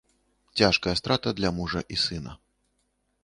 Цяжкая страта для мужа і сына.